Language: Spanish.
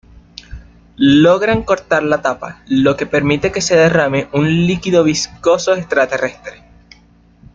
Logran cortar la tapa, lo que permite que se derrame un líquido viscoso extraterrestre.